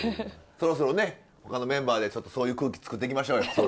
そろそろね他のメンバーでちょっとそういう空気作っていきましょうよ。